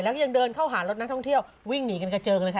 แล้วก็ยังเดินเข้าหารถนักท่องเที่ยววิ่งหนีกันกระเจิงเลยค่ะ